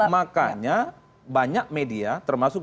makanya banyak media termasuk